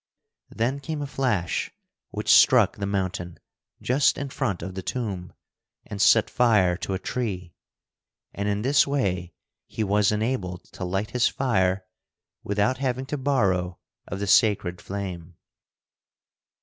Then came a flash which struck the mountain, just in front of the tomb, and set fire to a tree. And in this way he was enabled to light his fire without having to borrow of the sacred flame.